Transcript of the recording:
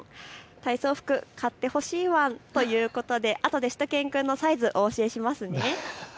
体操服買ってほしいワンということであとでしゅと犬くんのサイズ、お教えしますね。